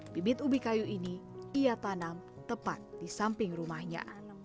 bibit ubi kayu ini ia tanam tepat di samping rumahnya